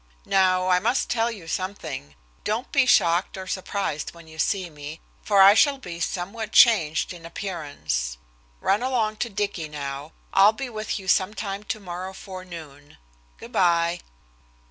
Now I must tell you something, don't be shocked or surprised when you see me, for I shall be somewhat changed in appearance. Run along to Dicky now. I'll be with you some time tomorrow forenoon. Good by."